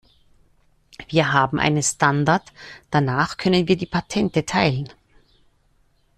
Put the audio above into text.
Wir haben einen Standard, danach können wir die Patente teilen.